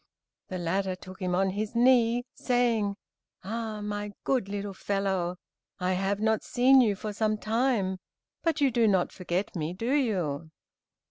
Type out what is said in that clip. The latter took him on his knee, saying, "Ah! my good little fellow, I have not seen you for some time, but you do not forget me, do you?"